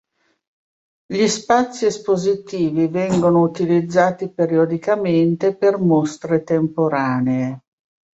Gli spazi espositivi vengono utilizzati periodicamente per mostre temporanee.